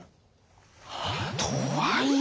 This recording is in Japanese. とはいえ。